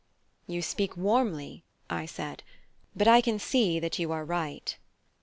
"You speak warmly," I said, "but I can see that you are right."